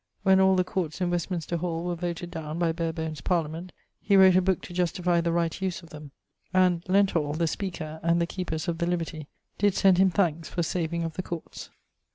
When all the courts in Westminster hall were voted downe by Barebones Parliament, he wrote a booke to justifie the right use of them, and Lenthall (the speaker) and the Keepers of the Libertie did send him thanks for saveing of the courts.